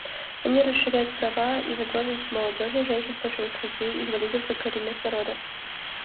Они расширяют права и возможности молодежи, женщин, пожилых людей, инвалидов и коренных народов.